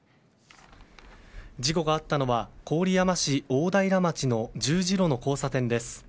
事故があったのは郡山市大平町十字路の交差点です。